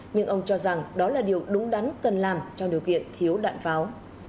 nhưng ông cho rằng đó là điều đúng đắn cần làm trong điều kiện thiếu đạn pháo